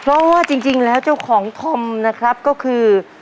เพราะว่าจริงแล้วเจ้าของธอมนะครับก็คือ